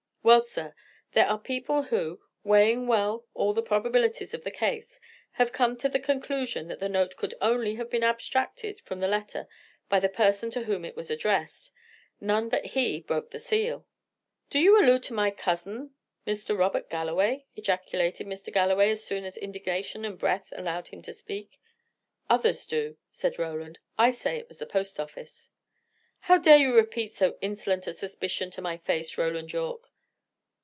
"Well, sir, there are people who, weighing well all the probabilities of the case, have come to the conclusion that the note could only have been abstracted from the letter by the person to whom it was addressed. None but he broke the seal of it." "Do you allude to my cousin, Mr. Robert Galloway?" ejaculated Mr. Galloway, as soon as indignation and breath allowed him to speak. "Others do," said Roland. "I say it was the post office." "How dare you repeat so insolent a suspicion to my face, Roland Yorke?"